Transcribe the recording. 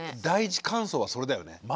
第一感想はそれだよね。